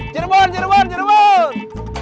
jerubar jerubar jerubar